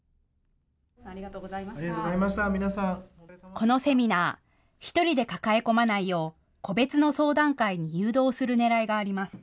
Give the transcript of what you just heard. このセミナー、１人で抱え込まないよう個別の相談会に誘導するねらいがあります。